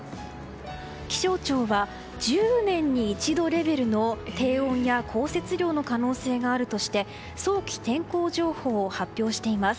気象庁は１０年に一度レベルの低温や降雪量の可能性があるとして早期天候情報を発表しています。